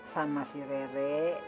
sama si rere